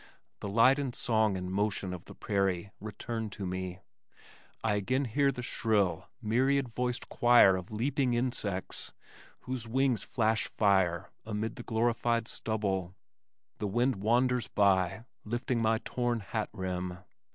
The light and song and motion of the prairie return to me. I hear again the shrill, myriad voiced choir of leaping insects whose wings flash fire amid the glorified stubble. The wind wanders by, lifting my torn hat rim.